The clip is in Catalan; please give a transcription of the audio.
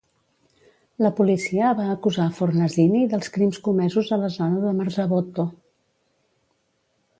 La policia va acusar Fornasini dels crims comesos a la zona de Marzabotto.